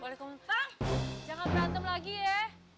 waalaikumsalam jangan berantem lagi ya